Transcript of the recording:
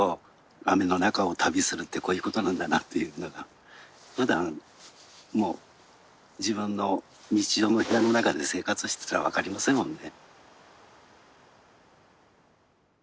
雨の中を旅するってこういうことなんだなというのがまだもう自分の日常の部屋の中で生活してたら分かりませんもんね。